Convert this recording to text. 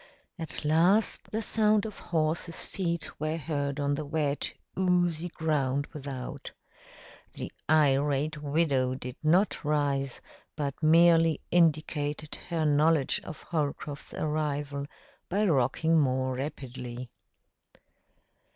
At last the sound of horses' feet were heard on the wet, oozy ground without. The irate widow did not rise, but merely indicated her knowledge of Holcroft's arrival by rocking more rapidly.